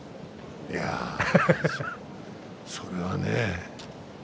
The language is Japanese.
いやあそれはね